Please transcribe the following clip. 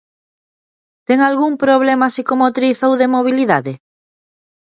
Ten algún problema psicomotriz ou de mobilidade?